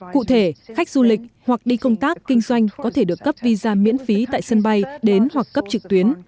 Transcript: cụ thể khách du lịch hoặc đi công tác kinh doanh có thể được cấp visa miễn phí tại sân bay đến hoặc cấp trực tuyến